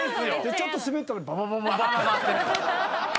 ちょっとスベったらバババババって。